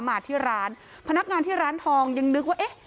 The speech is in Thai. มาที่ร้านพนักงานที่ร้านทองยังนึกว่าเอ๊ะ